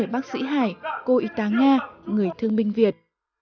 bác sĩ hải cô y tá nga người thương binh việt